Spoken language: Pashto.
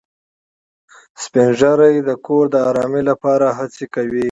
سپین ږیری د کور د ارامۍ لپاره هڅې کوي